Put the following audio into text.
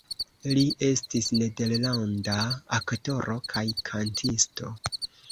Li estis nederlanda aktoro kaj kantisto.